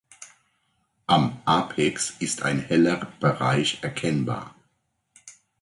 Am Apex ist ein heller Bereich erkennbar.